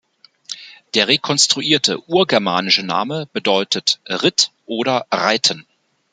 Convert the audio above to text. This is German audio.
Der rekonstruierte urgermanische Name bedeutet „Ritt“ oder „reiten“.